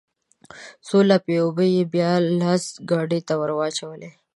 څو لپې اوبه يې بيا لاس ګاډي ته ورواچولې.